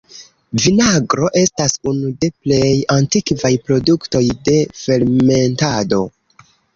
Vinagro estas unu de plej antikvaj produktoj de fermentado.